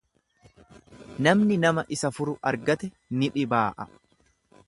Namni nama isa furu argate ni dhibaa'a.